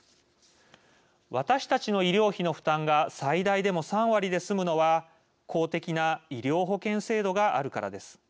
私たちの医療費の負担が最大でも３割で済むのは公的な医療保険制度があるからです。